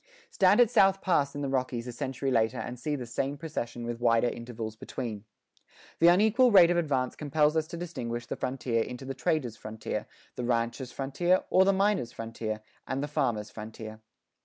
Stand at South Pass in the Rockies a century later and see the same procession with wider intervals between. The unequal rate of advance compels us to distinguish the frontier into the trader's frontier, the rancher's frontier, or the miner's frontier, and the farmer's frontier.